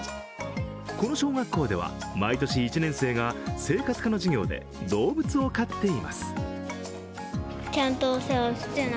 この小学校では毎年１年生が生活科の授業で動物を飼っています。